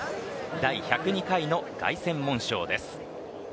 第１０２回の凱旋門賞です。